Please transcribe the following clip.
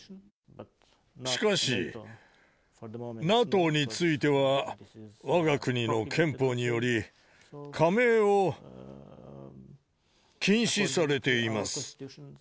しかし、ＮＡＴＯについてはわが国の憲法により、加盟を禁止されています。